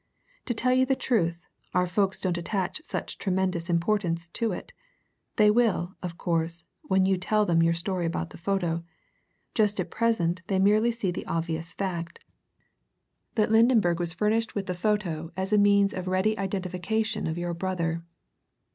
To tell you the truth, our folks don't attach such tremendous importance to it they will, of course, when you tell them your story about the photo. Just at present they merely see the obvious fact that Lydenberg was furnished with the photo as a means of ready identification of your brother.